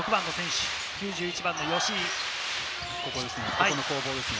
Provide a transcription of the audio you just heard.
ここの攻防ですね。